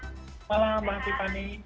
selamat malam mbak tiffany